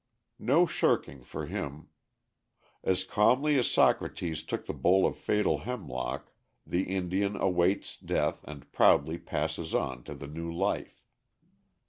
No shirking for him; as calmly as Socrates took the bowl of fatal hemlock, the Indian awaits death and proudly passes on to the new life.